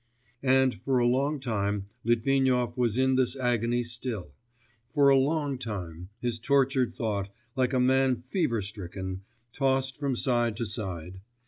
And for a long time Litvinov was in this agony still; for a long time, his tortured thought, like a man fever stricken, tossed from side to side....